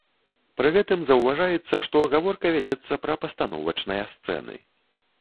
Пры гэтым заўважаецца, што гаворка вядзецца пра пастановачныя сцэны.